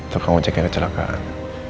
tukang ojeknya kecelakaan